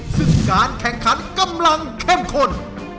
ซึ่งการแข่งขันกำลังเข้มข้น